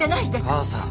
母さん。